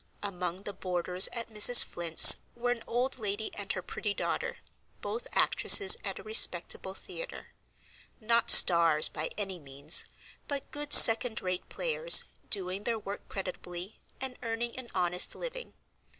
Among the boarders at Mrs. Flint's were an old lady and her pretty daughter, both actresses at a respectable theatre. Not stars by any means, but good second rate players, doing their work creditably and earning an honest living.